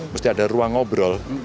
mesti ada ruang ngobrol